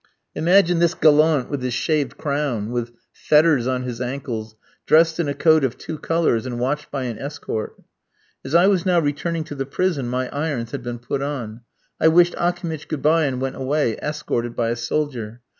Imagine this gallant with his shaved crown, with fetters on his ankles, dressed in a coat of two colours, and watched by an escort. As I was now returning to the prison, my irons had been put on. I wished Akimitch good bye and went away, escorted by a soldier.